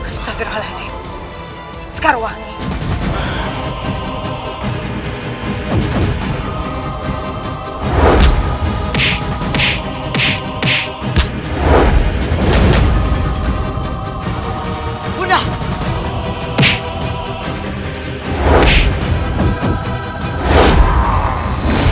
setelah terhalasi sekarang wangi